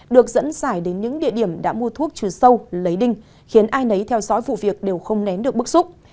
được dẫn dài đến những địa điểm đã mua thuốc trừ sâu lấy đinh khiến ai nấy theo dõi vụ việc đều không nén được bức xúc